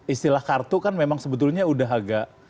istilah kartu kan memang sebetulnya udah agak